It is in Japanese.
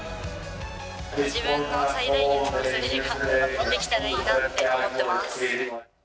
自分の最大限の滑りができたらいいなって思ってます。